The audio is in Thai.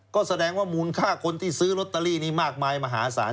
ก็แสดงว่ามูลค่าคนที่ซื้อลอตเตอรี่นี้มากมายมหาศาล